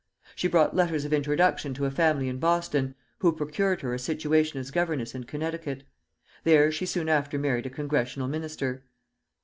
She brought letters of introduction to a family in Boston, who procured her a situation as governess in Connecticut. There she soon after married a Congregational minister.